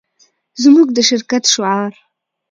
زموږ د شرکت شعار